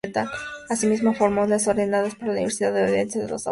Asimismo formó las ordenanzas para la Universidad, la Audiencia y los abogados.